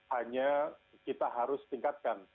hanya kita harus tingkatkan